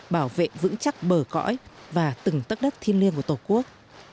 bảo vệ vững chắc bờ cõi và từng tất đất thiên liêng của tổ quốc